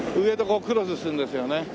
上とこうクロスするんですよね。